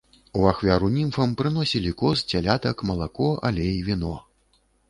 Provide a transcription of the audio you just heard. У ахвяру німфам прыносілі коз, цялятак, малако, алей, віно.